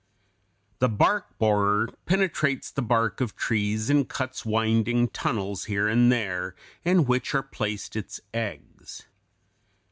The bark borer (Fig. 204) penetrates the bark of trees, and cuts winding tunnels here and there, in which are placed its eggs.